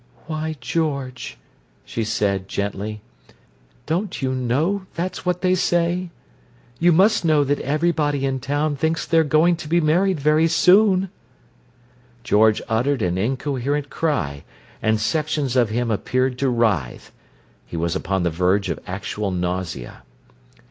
"Why, George," she said, gently, "don't you know that's what they say? You must know that everybody in town thinks they're going to be married very soon." George uttered an incoherent cry; and sections of him appeared to writhe. He was upon the verge of actual nausea.